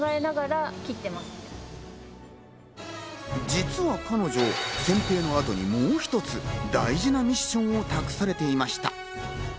実は彼女、剪定の後にもう一つ大事なミッションも託されていました。